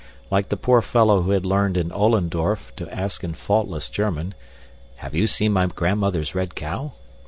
Like the poor fellow who had learned in Ollendorf to ask in faultless German, "Have you seen my grandmother's red cow?"